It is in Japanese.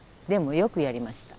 よくやりました